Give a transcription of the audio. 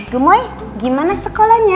gemoy gimana sekolahnya